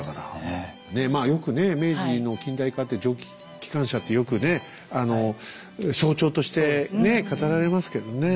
まあよくね明治の近代化って蒸気機関車ってよくね象徴として語られますけどね